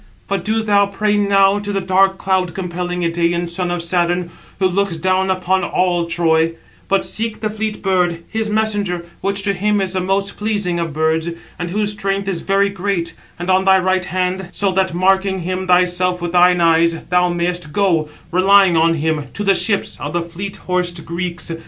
But do thou pray now to the dark, cloud compelling Idæan son of Saturn, who looks down upon all Troy; but seek the fleet bird, his messenger, which to him is the most pleasing of birds, and whose strength is very great, on thy right hand, so that, marking him thyself with thine eyes, thou mayest go, relying on him, to the ships of the fleet horsed Greeks.